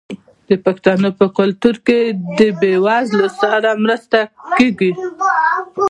د پښتنو په کلتور کې د بې وزلو سره مرسته پټه کیږي.